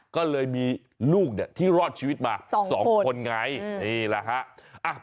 ก็เลยมีลูกเนี่ยที่รอดชีวิตมา๒คนไงนี่แหละฮะ